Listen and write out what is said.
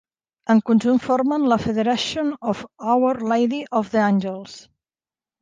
En conjunt formen la "Federation of Our Lady of the Angels".